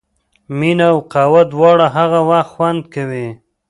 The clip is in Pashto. مینه او قهوه دواړه هغه وخت خوند کوي.